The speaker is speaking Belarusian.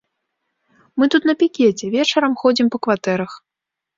Мы тут на пікеце, вечарам ходзім па кватэрах.